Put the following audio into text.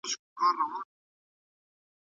په نړۍ کي هر شی بدلیږي.